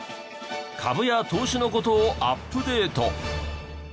株や投資の事をアップデート。